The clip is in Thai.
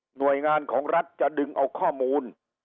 หน่วยงานของรัฐจะดึงเอาข้อมูล